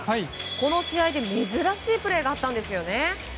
この試合で珍しいプレーがあったんですよね。